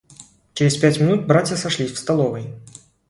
Через пять минут братья сошлись в столовой.